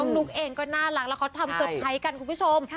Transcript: นุ๊กเองก็น่ารักแล้วเขาทำเตอร์ไพรส์กันคุณผู้ชม